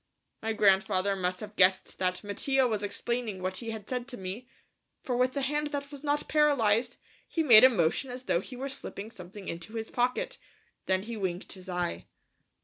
My grandfather must have guessed that Mattia was explaining what he had said to me, for with the hand that was not paralyzed, he made a motion as though he were slipping something into his pocket, then he winked his eye.